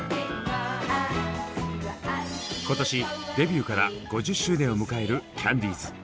今年デビューから５０周年を迎えるキャンディーズ。